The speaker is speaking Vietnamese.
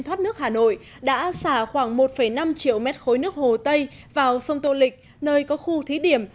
thoát nước hà nội đã xả khoảng một năm triệu mét khối nước hồ tây vào sông tô lịch nơi có khu thí điểm